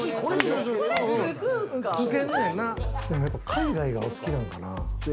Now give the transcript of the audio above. でも海外がお好きなのかな？